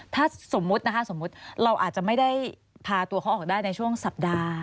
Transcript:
ถ้าสมมุตินะคะสมมุติเราอาจจะไม่ได้พาตัวเขาออกได้ในช่วงสัปดาห์